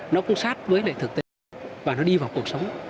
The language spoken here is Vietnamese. nó cũng sát với lại thực tế và nó đi vào cuộc sống